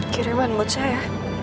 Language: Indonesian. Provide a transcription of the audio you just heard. kiriman buat saya